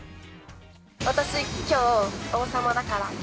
◆私、きょう王様だから。